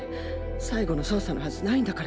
最後の捜査のはずないんだから。